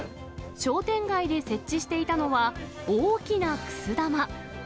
商店街で設置していたのは、大きなくす玉。